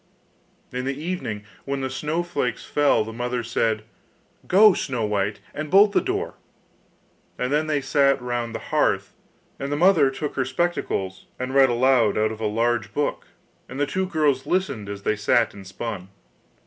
In the evening, when the snowflakes fell, the mother said: 'Go, Snow white, and bolt the door,' and then they sat round the hearth, and the mother took her spectacles and read aloud out of a large book, and the two girls listened as they sat and spun.